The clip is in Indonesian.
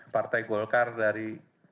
partai golkar dari